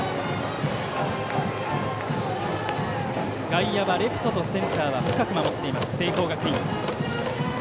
外野はレフトとセンターは深く守っている聖光学院。